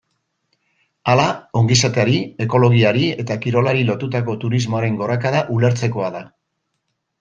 Hala, ongizateari, ekologiari eta kirolari lotutako turismoaren gorakada ulertzekoa da.